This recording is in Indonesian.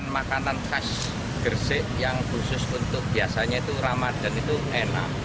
makanan khas gersik yang khusus untuk biasanya itu ramadan itu enak